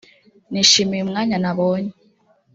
“Nishimiye umwanya nabonye